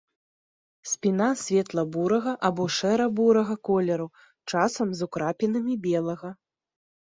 Спіна светла-бурага або шэра-бурага колеру, часам з украпінамі белага.